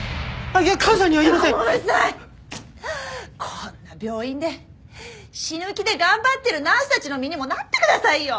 こんな病院で死ぬ気で頑張ってるナースたちの身にもなってくださいよ！